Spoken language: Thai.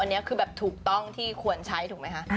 อันนี้คือแบบถูกต้องที่ควรใช้ถูกไหมคะ